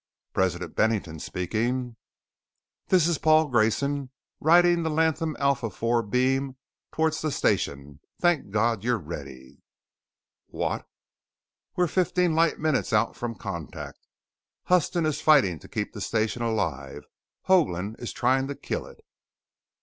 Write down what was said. "President Bennington speaking." "This is Paul Grayson riding the Latham Alpha IV beam towards the station. Thank God you're ready!" "What ?" "We're fifteen light minutes out from Contact. Huston is fighting to keep the Station alive; Hoagland is trying to kill it!"